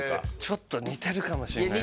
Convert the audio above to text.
ちょっと似てるかもしれないですね。